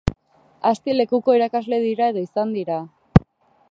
Asti-Lekuko irakasle dira edo izan dira.